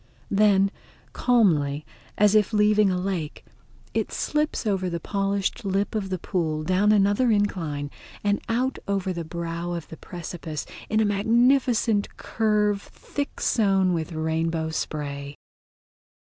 Then calmly, as if leaving a lake, it slips over the polished lip of the pool down another incline and out over the brow of the precipice in a magnificent curve thick sown with rainbow spray.